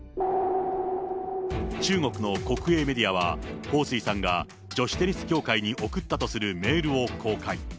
中国の国営メディアは、彭帥さんが女子テニス協会に送ったとされるメールを公開。